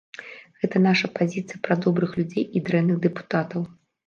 Гэта наша пазіцыя пра добрых людзей і дрэнных дэпутатаў.